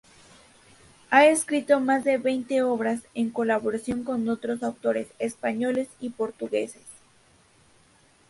Ha escrito más de veinte obras en colaboración con otros autores españoles y portugueses.